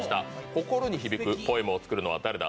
心に響くポエムを作るのは誰だ